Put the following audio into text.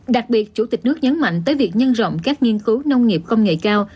đặc biệt chủ tịch nước nhấn mạnh tới việc nhân rộng các nghiên cứu nông nghiệp công nghệ cao